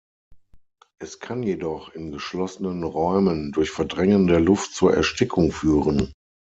Es kann jedoch in geschlossenen Räumen durch Verdrängen der Luft zur Erstickung führen.